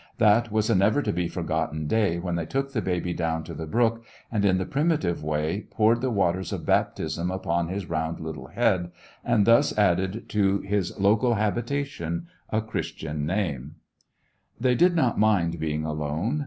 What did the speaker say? That was a never to be forgotten day when they took the baby down to the brook and in the primitive way poured the waters of Baptism upon his round little head, and thus added to his local habitation a Christian namel They did not mind being alone.